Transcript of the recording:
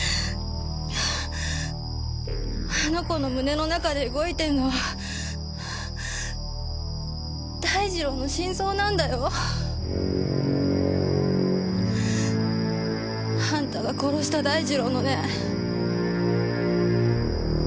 あの子の胸の中で動いているのは大二郎の心臓なんだよ。あんたが殺した大二郎のね。